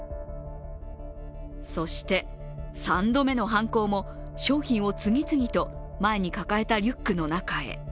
そして３度目の犯行も商品を次々と前に抱えたリュックの中へ。